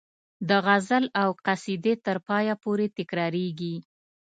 د غزل او قصیدې تر پایه پورې تکراریږي.